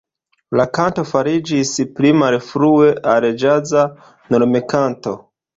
La kanto fariĝis pli malfrue al ĵaza normkanto.